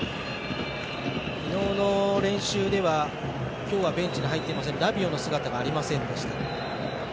昨日の練習では今日はベンチに入っていませんラビオの姿がありませんでした。